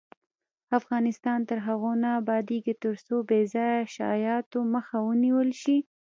افغانستان تر هغو نه ابادیږي، ترڅو بې ځایه شایعاتو مخه ونیول نشي.